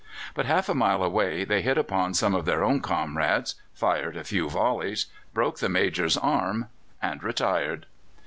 But half a mile away they hit upon some of their own comrades, fired a few volleys, broke the Major's arm, and retired.